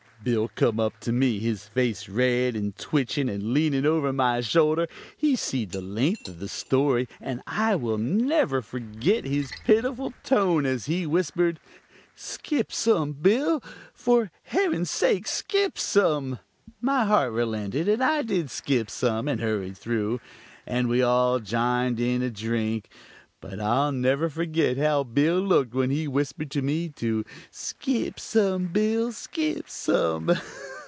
Bill come up to me, his face red and twitchin', and leanin' over my shoulder he seed the length of the story, and I will never forgit his pitiful tone as he whispered, "Skip some, Bill, for heaven's sake skip some." My heart relented, and I did skip some, and hurried through, and we all jined in a drink; but I'll never forgit how Bill looked when he whispered to me to "skip some, Bill, skip some."